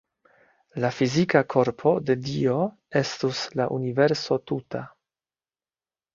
La fizika korpo de Dio estus la universo tuta.